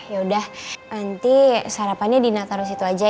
yaudah nanti sarapannya dina taruh situ aja ya mah